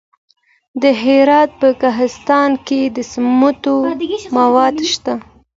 د هرات په کهسان کې د سمنټو مواد شته.